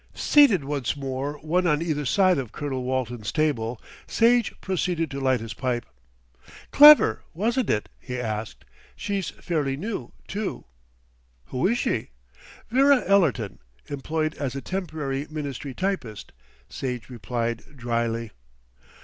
Seated once more one on either side of Colonel Walton's table, Sage proceeded to light his pipe. "Clever, wasn't it?" he asked. "She's fairly new, too." "Who was she?" "Vera Ellerton, employed as a Temporary Ministry typist," Sage replied drily.